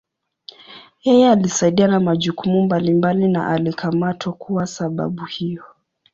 Yeye alisaidia na majukumu mbalimbali na alikamatwa kuwa sababu hiyo.